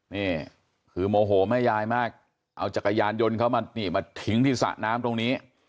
นี่คือโมโหแม่ยายมากเอาจักรยานยนต์เขามานี่มาทิ้งที่สระน้ำตรงนี้